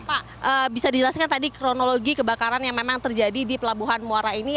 pak bisa dijelaskan tadi kronologi kebakaran yang memang terjadi di pelabuhan muara ini